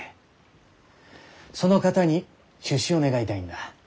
その方に出資を願いたいんだ。